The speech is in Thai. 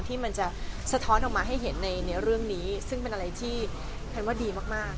ที่มันจะสะท้อนออกมาให้เห็นในเรื่องนี้ซึ่งเป็นอะไรที่แพนว่าดีมาก